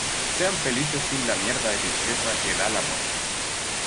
sean felices sin la mierda de tristeza que da la muerte.